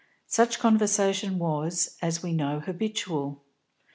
Such conversation was, as we know, habitual.